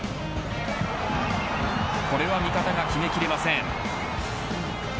これは、味方が決め切れません。